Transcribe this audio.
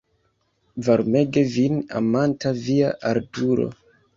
Varmege vin amanta via Arturo.